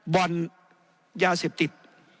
บ่อนยาเสพติด